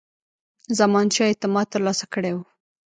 زمانشاه اعتماد ترلاسه کړی وو.